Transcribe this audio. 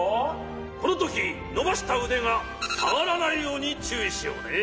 このときのばしたうでがさがらないようにちゅういしようね。